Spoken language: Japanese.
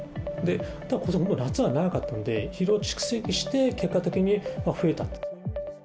ことしは夏が長かったので、疲労蓄積して結果的に増えた。